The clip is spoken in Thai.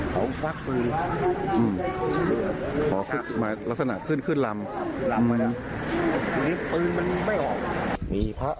เหมือนลัม